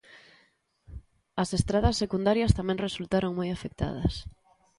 As estradas secundarias tamén resultaron moi afectadas.